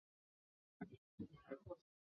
发言人坚称此对工作无影响。